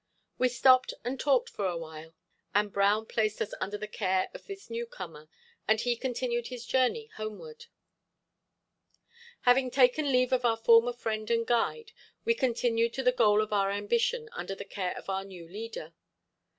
We stopped and talked for awhile, and Brown placed us under the care of this new comer, and he continued his journey homeward. Having taken leave of our former friend and guide we continued to the goal of our ambition under the care of our new leader.